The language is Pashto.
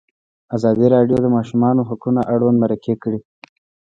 ازادي راډیو د د ماشومانو حقونه اړوند مرکې کړي.